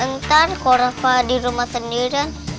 ntar kalau rafa di rumah sendirian